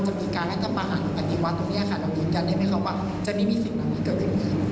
จะมีการให้ท่านประหลังกันดีกว่าตรงนี้ค่ะ